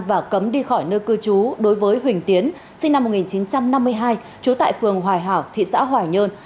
và cấm đi khỏi nơi cư trú đối với huỳnh tiến sinh năm một nghìn chín trăm năm mươi hai trú tại phường hoài hảo thị xã hoài nhơn